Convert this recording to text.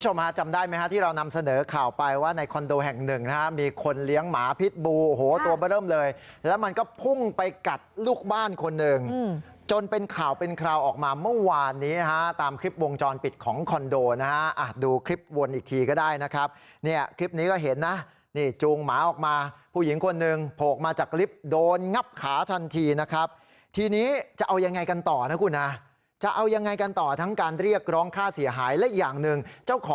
ชมฮาจำได้ไหมฮะที่เรานำเสนอข่าวไปว่าในคอนโดแห่งหนึ่งนะฮะมีคนเลี้ยงหมาพิษบูโหตัวไปเริ่มเลยแล้วมันก็พุ่งไปกัดลูกบ้านคนหนึ่งอืมจนเป็นข่าวเป็นคราวออกมาเมื่อวานนี้ฮะตามคลิปวงจรปิดของคอนโดนะฮะอ่ะดูคลิปวนอีกทีก็ได้นะครับเนี่ยคลิปนี้ก็เห็นนะนี่จูงหมาออกมาผู้หญิงคนหนึ่งโผกมาจาก